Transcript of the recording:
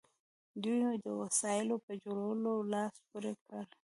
دوی د وسایلو په جوړولو لاس پورې کړ.